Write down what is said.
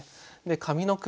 上の句